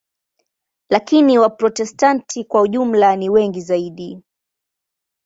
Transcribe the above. Lakini Waprotestanti kwa jumla ni wengi zaidi.